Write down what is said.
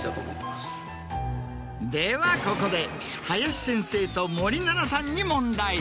ではここで林先生と森七菜さんに。